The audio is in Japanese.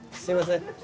すいません。